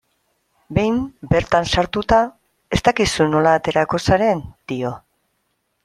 Behin bertan sartuta, ez dakizu nola aterako zaren, dio.